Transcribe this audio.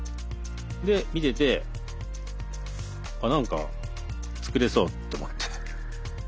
で見てて何か作れそうと思って。